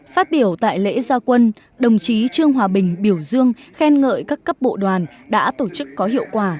phát biểu tại lễ gia quân đồng chí trương hòa bình biểu dương khen ngợi các cấp bộ đoàn đã tổ chức có hiệu quả